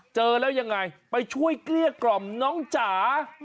เจอแล้วยังไงไปช่วยเกลี้ยกล่อมน้องจ๋า